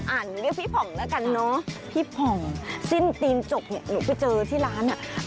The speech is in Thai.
เรียกพี่ผ่องแล้วกันเนอะพี่ผ่องสิ้นตีนจกเนี่ยหนูไปเจอที่ร้านอ่ะ